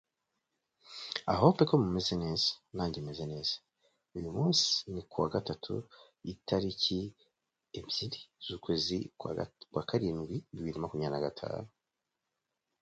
The attitude is described by "attitude coordinates", and consists of at least three coordinates.